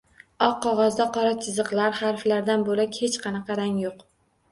Oq qog’ozda qora chiziqlar-harflardan bo’lak hech qanaqa rang yo’q.